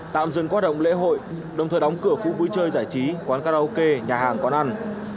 tạm dừng hoạt động lễ hội đồng thời đóng cửa khu vui chơi giải trí quán karaoke nhà hàng quán ăn